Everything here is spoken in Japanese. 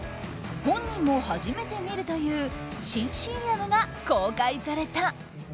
本人も初めて見るという新ＣＭが公開された。